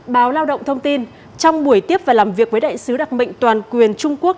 báo lao động thông tin trong buổi tiếp và làm việc với đại sứ đặc mệnh toàn quyền trung quốc